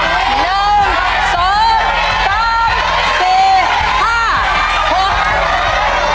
ด้วยอย่างน้อยตัวเดียวสุดยอด